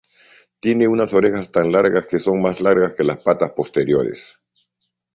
Tiene unas orejas tan largas que son más largas que las patas posteriores.